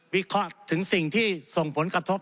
วิเคราะห์ถึงสิ่งที่ส่งผลกระทบ